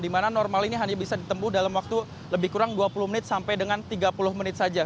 di mana normal ini hanya bisa ditempuh dalam waktu lebih kurang dua puluh menit sampai dengan tiga puluh menit saja